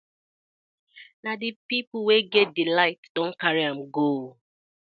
Na di pipus wey get di light don karry am go.